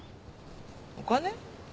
お金？